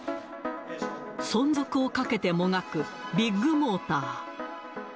存続をかけて、もがくビッグモーター。